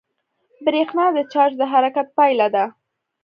برېښنا د چارج د حرکت پایله ده.